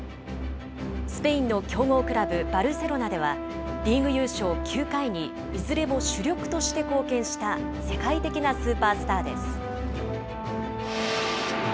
スペインの強豪クラブ、バルセロナでは、リーグ優勝９回にいずれも主力として貢献した世界的なスーパースターです。